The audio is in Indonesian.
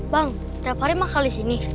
bang tiap hari mah kali sini